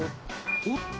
［おっと？